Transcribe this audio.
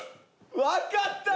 わかった！